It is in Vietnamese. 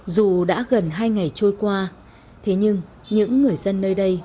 dù đã gần hai ngày trôi qua thế nhưng những người dân nơi đây